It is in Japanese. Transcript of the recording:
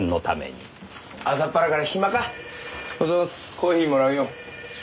コーヒーもらうよ。